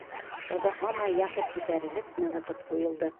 Оҙаҡламай якорь күтәрелеп, нығытып ҡуйылды.